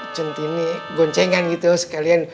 centini goncengan gitu sekalian